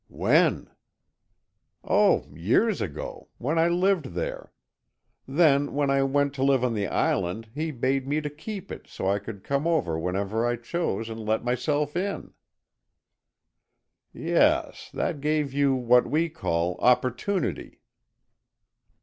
"When?" "Oh, years ago. When I lived here. Then when I went to live on the island he bade me keep it so I could come over whenever I chose and let myself in." "Yes. That gave you what we call opportunity."